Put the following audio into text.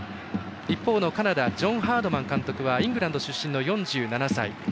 一方のカナダジョン・ハードマン監督はイングランド出身の４７歳。